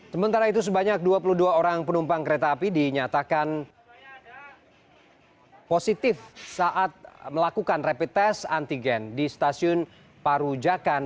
sementara itu sebanyak dua puluh dua orang penumpang kereta api dinyatakan positif saat melakukan rapid test antigen di stasiun parujakan